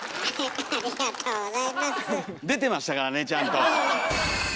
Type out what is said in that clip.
出てましたからねちゃんと。